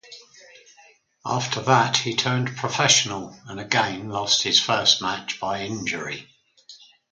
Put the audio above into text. After that he turned professional, and again lost his first match by injury.